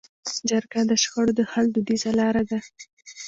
جرګه د شخړو د حل دودیزه لار ده.